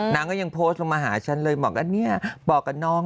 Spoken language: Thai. นางก็ยังโพสต์ลงมาหาฉันเลยบอกว่าเนี่ยบอกกับน้อง